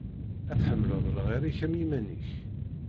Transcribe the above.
Ad tḥemmleḍ lɣir-ik am yiman-ik.